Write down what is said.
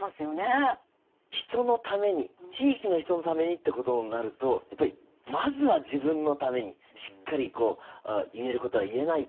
人のために地域の人のためにってことになるとやっぱりまずは自分のためにしっかり言えることは言えないと。